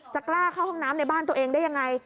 กล้าเข้าห้องน้ำในบ้านตัวเองได้ยังไง